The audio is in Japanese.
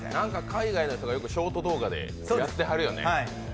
海外の人がショート動画でやってはるよね。